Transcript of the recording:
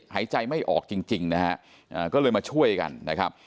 หายใจไม่ออกจริงนะฮะก็เลยมาช่วยกันนะครับ